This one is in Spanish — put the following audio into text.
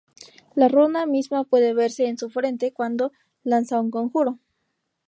La runa misma puede verse en su frente cuando lanza un conjuro.